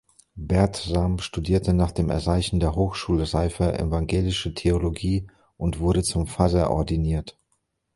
Bertram studierte nach dem Erreichen der Hochschulreife Evangelische Theologie und wurde zum Pfarrer ordiniert.